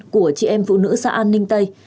của chị em phụ nữ xã an ninh tây